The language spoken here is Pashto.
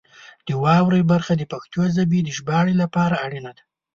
د واورئ برخه د پښتو ژبې د ژباړې لپاره اړینه ده.